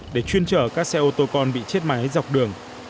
để chuyên chở các xe ô tô con bị chết máy dọc đường